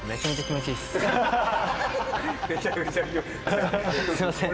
すいません。